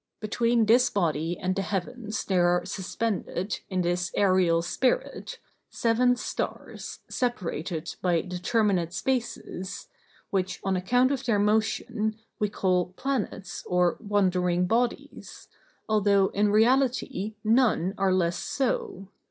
Between this body and the heavens there are suspended, in this aërial spirit, seven stars, separated by determinate spaces, which, on account of their motion, we call planets or wandering bodies, although, in reality, none are less so.